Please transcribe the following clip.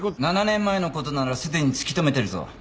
７年前の事ならすでに突き止めてるぞ。